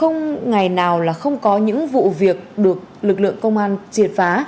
không ngày nào là không có những vụ việc được lực lượng công an triệt phá